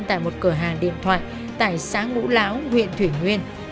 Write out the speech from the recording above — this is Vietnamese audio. tại một cửa hàng điện thoại tại xã ngũ lão huyện thủy nguyên